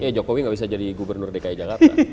ya jokowi gak bisa jadi gubernur dki jakarta